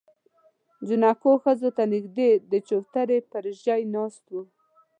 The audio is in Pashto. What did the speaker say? جانکو ښځو ته نږدې د چوترې پر ژی ناست و.